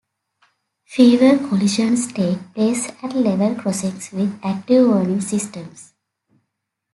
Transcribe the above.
Fewer collisions take place at level crossings with active warning systems.